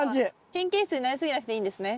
神経質になり過ぎなくていいんですね。